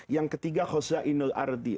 yang ketiga khusyainul ardi